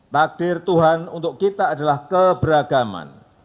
takdir tuhan untuk kita adalah keberagaman